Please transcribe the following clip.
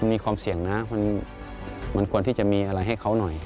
มีความเสี่ยงนะมันควรที่จะมีอะไรให้เขาหน่อย